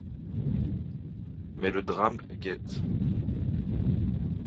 Mais le drame guette...